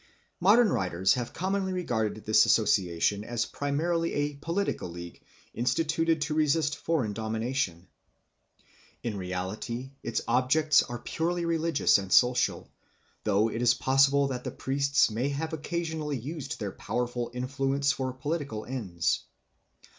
Modern writers have commonly regarded this association as primarily a political league instituted to resist foreign domination. In reality its objects are purely religious and social, though it is possible that the priests may have occasionally used their powerful influence for political ends.